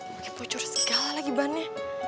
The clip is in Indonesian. bagi pocur segala lagi bahannya